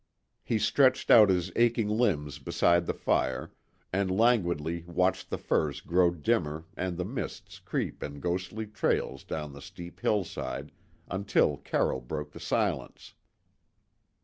He stretched out his aching limbs beside the fire, and languidly watched the firs grow dimmer and the mists creep in ghostly trails down the steep hillside, until Carroll broke the silence.